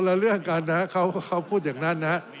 คนละเรื่องกันนะครับเขาพูดอย่างนั้นนะครับ